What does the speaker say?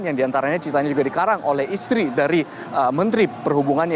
yang diantaranya ceritanya juga dikarang oleh istri dari menteri perhubungannya